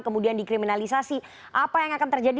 kemudian dikriminalisasi apa yang akan terjadi